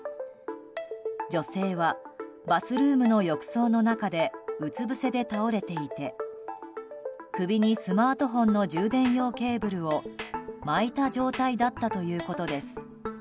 女性はバスルームの浴槽の中でうつぶせで倒れていて首にスマートフォンの充電用ケーブルを巻いた状態だったということです。